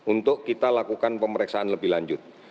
untuk kita lakukan pemeriksaan lebih lanjut